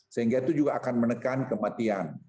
sehingga itu juga akan menekan kematian